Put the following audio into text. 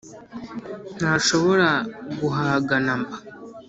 ntashobora guhaga na mba